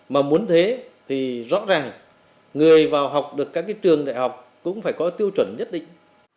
mà muốn thế thì rõ ràng người vào học được các trường đại học cũng phải có tiêu chuẩn nhất định